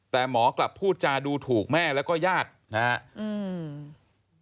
แต่หมอกลับพูดจาดูถูกแม่แล้วก็ญาตินะครับ